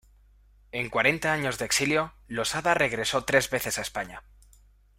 En cuarenta años de exilio, Losada regresó tres veces a España.